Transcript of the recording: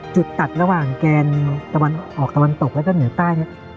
จุดตัดระหว่างแกนตะวันออกตะวันตกแล้วก็เหนือใต้เนี่ย